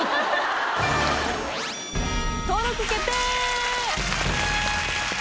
登録決定！